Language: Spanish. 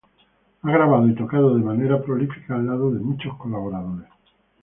Ha grabado y tocado de manera prolífica al lado de muchos colaboradores.